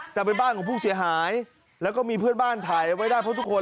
แต่เป็นบ้านของผู้เสียหายแล้วก็มีเพื่อนบ้านถ่ายไว้ได้เพราะทุกคน